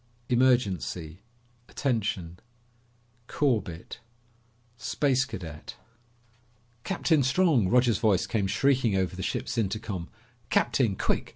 ... emergency ... attention ... Corbett ... Space Cadet ""Captain Strong!" Roger's voice came shrieking over the ship's intercom. "Captain! Quick!